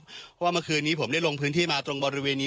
เพราะว่าเมื่อคืนนี้ผมได้ลงพื้นที่มาตรงบริเวณนี้